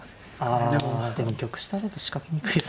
あでも玉下だと仕掛けにくい。